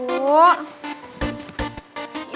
udah udah oke